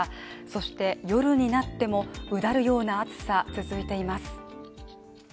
そして、夜になってもうだるような暑さ、続いています。